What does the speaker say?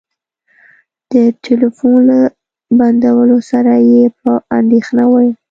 د ټلفون له بندولو سره يې په اندېښنه وويل.